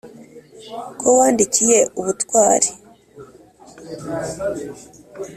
ko wandikiye ubutwari